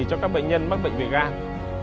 cho các bệnh nhân mắc bệnh về gan